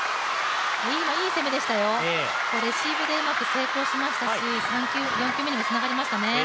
今、いい攻めでしたよ、レシーブでうまく成功しましたし４球目にもつながりましたね。